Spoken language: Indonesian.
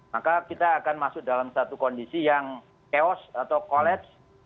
maka kita akan masuk dalam satu kondisi yang chaos atau collaps